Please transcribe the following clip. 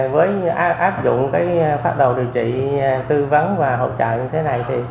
với áp dụng phát đồ điều trị tư vấn và hỗ trợ như thế này